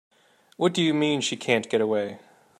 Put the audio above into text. What do you mean she can't get away?